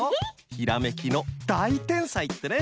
ひらめきのだいてんさいってね！